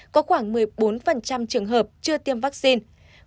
có khoảng một mươi bốn trường hợp chưa tiêm vaccine